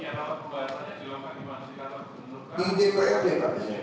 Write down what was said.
ya kalau pembahasannya dilakukan di masjid katab